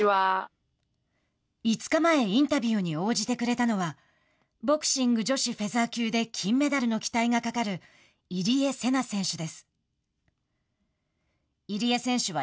５日前インタビューに応じてくれたのはボクシング女子フェザー級で金メダルの期待がかかる入江聖奈選手です。